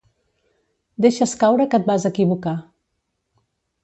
Deixes caure que et vas equivocar.